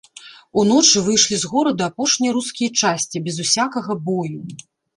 Уночы выйшлі з горада апошнія рускія часці без усякага бою.